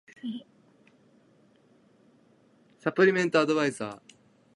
サプリメントアドバイザー